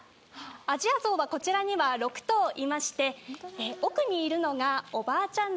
アジアゾウはこちらには６頭いまして奥にいるのが、おばあちゃん